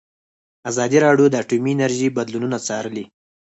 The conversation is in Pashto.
ازادي راډیو د اټومي انرژي بدلونونه څارلي.